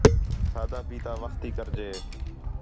کھادا، پِیتا وخت تی کرے ڄے